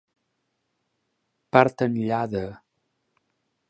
Part enllà de.